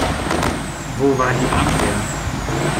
Wo war die Abwehr?